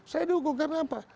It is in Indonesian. saya dihukum karena apa